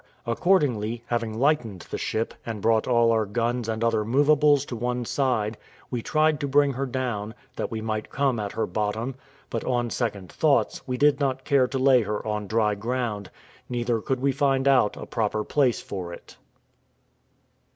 Accordingly, having lightened the ship, and brought all our guns and other movables to one side, we tried to bring her down, that we might come at her bottom; but, on second thoughts, we did not care to lay her on dry ground, neither could we find out a proper place for it.